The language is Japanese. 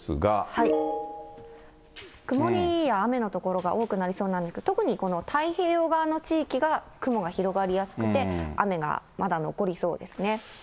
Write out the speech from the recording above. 曇りや雨の所が多くなりそうなんですが、特にこの太平洋側の地域が雲が広がりやすくて、雨がまだ残りそうですね。